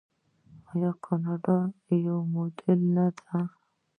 آیا کاناډا یو موډل نه دی؟